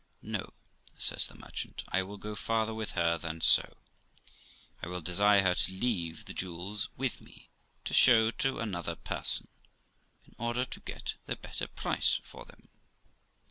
'No', says the merchant, 'I will go farther with her than so; I will desire her to leave the jewels with me, to show to another person, in order to get the better price for them.'